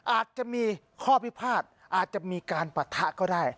อาจจะมีข้อพิพาทอาจจะมีการปะทะก็ได้